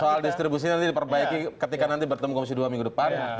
soal distribusi nanti diperbaiki ketika nanti bertemu komisi dua minggu depan